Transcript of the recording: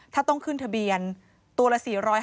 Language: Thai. ถ้าต้องขึ้นทะเบียนตัวละ๔๕๐